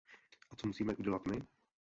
A co musíme udělat my?